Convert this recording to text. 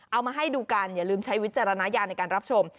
เอามาให้ดูกันอย่าลืมใช้วิจารณญาณในการรับชม